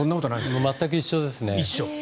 全く一緒ですね。